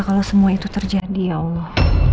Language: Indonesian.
kalau semua itu terjadi ya allah